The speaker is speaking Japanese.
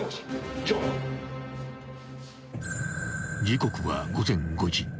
［時刻は午前５時］